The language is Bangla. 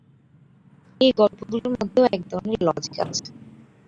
এই গল্পগুলির মধ্যেও এক ধরনের লজিক আছে।